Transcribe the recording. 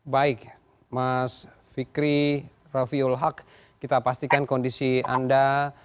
baik mas fikri raffiul haq kita pastikan kondisi anda